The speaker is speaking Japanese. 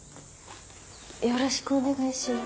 よろしくお願いします。